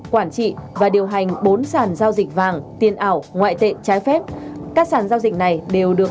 quản trị và điều hành bốn sản giao dịch vàng tiền ảo ngoại tệ trái phép các sản giao dịch này đều được